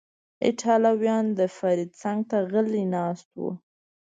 ایټالویان، د فرید څنګ ته غلی ناست و.